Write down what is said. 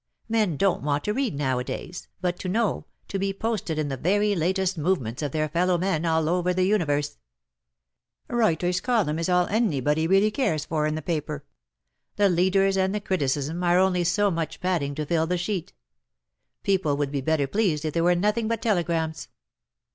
Men don^t want to read nowadays, but to know — to be posted in the very latest movements of their fellow men all over the universe. Renter's column is all anybody really cares for in the paper. The leaders and the criticism are only so much padding to fill the sheet. People would be better pleased if there were nothing but telegrams.'